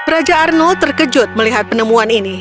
raja arnold terkejut melihat penemuan ini